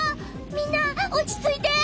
みんなおちついて！